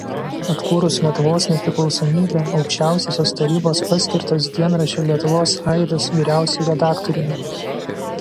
Atkūrus Lietuvos nepriklausomybę Aukščiausiosios Tarybos paskirtas dienraščio „Lietuvos aidas“ vyriausiuoju redaktoriumi.